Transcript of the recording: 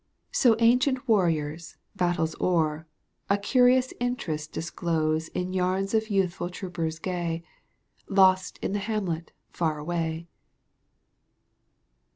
So ancient warriors, battles o'er, A curious interest disclose In yarns of youthful troopers gay, Lost in the hamlet far away.